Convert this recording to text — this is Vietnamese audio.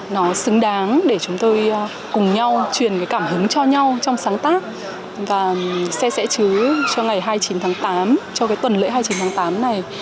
nó xứng đáng để chúng tôi cùng nhau truyền cái cảm hứng cho nhau trong sáng tác và xe xẽ chứ cho ngày hai mươi chín tháng tám cho cái tuần lễ hai mươi chín tháng tám này